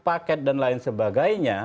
paket dan lain sebagainya